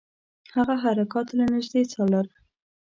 هغه حرکات له نیژدې څارل.